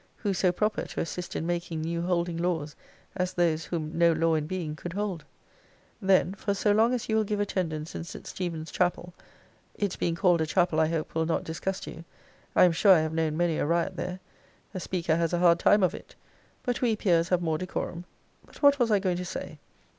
Who so proper to assist in making new holding laws, as those whom no law in being could hold? Then, for so long as you will give attendance in St. Stephen's chapel its being called a chapel, I hope, will not disgust you: I am sure I have known many a riot there a speaker has a hard time of it! but we peers have more decorum But what was I going to say?